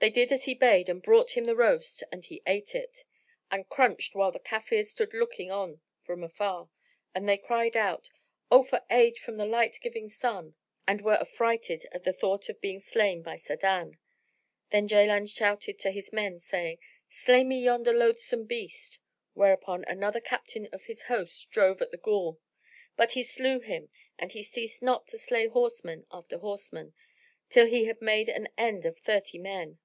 They did as he bade and brought him the roast and he ate it and crunched the bones, whilst the Kafirs stood looking on from afar; and they cried out, "Oh for aid from the light giving Sun!" and were affrighted at the thought of being slain by Sa'adan. Then Jaland shouted to his men, saying, "Slay me yonder loathsome beast!" Whereupon another captain of his host drove at the Ghul; but he slew him and he ceased not to slay horseman after horseman, till he had made an end of thirty men.